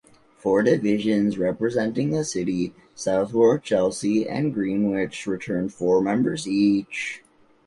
Four divisions, representing the City, Southwark, Chelsea and Greenwich returned four members each.